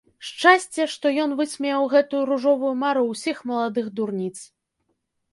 Шчасце, што ён высмеяў гэтую ружовую мару ўсіх маладых дурніц.